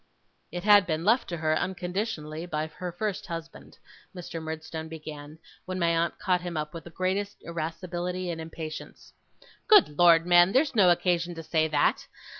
'It had been left to her, unconditionally, by her first husband,' Mr. Murdstone began, when my aunt caught him up with the greatest irascibility and impatience. 'Good Lord, man, there's no occasion to say that.